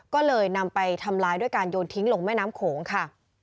ก็เลยนำไปทำลายด้วยการโยนทิ้งลงแม่น้ำโขงค่ะ